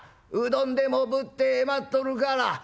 うどんでもぶって待っとるから」。